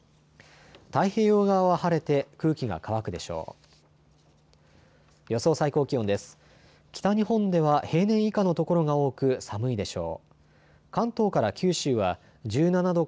太平洋側は晴れて空気が乾くでしょう。